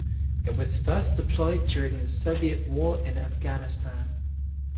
It was first deployed during the Soviet war in Afghanistan.